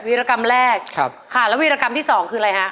วิรกรรมแรกครับค่ะแล้ววีรกรรมที่สองคืออะไรฮะ